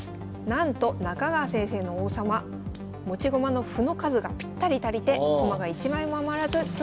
なんと中川先生の王様持ち駒の歩の数がぴったり足りて駒が一枚も余らず詰んでしまいました。